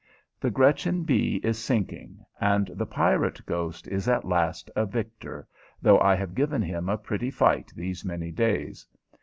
The Gretchen B. is sinking, and the pirate ghost is at last a victor, though I have given him a pretty fight these many days.